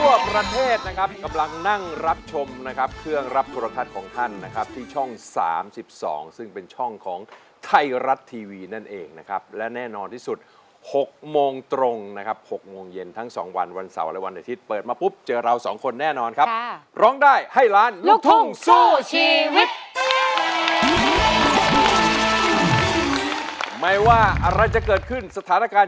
สวัสดีครับคุณผู้ชมทั่วประเทศนะครับกำลังนั่งรับชมนะครับเครื่องรับธุรกัดของท่านนะครับที่ช่องสามสิบสองซึ่งเป็นช่องของไทยรัตทีวีนั่นเองนะครับและแน่นอนที่สุดหกโมงตรงนะครับหกโมงเย็นทั้งสองวันวันเสาร์และวันอาทิตย์เปิดมาปุ๊บเจอเราสองคนแน่นอนครับค่ะร้องได้ให้ล้านลูกทุ่งสู้ชีวิต